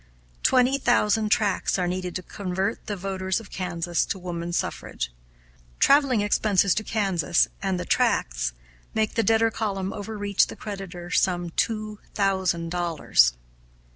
Twenty thousand tracts are needed to convert the voters of Kansas to woman suffrage. Traveling expenses to Kansas, and the tracts, make the debtor column overreach the creditor some two thousand dollars.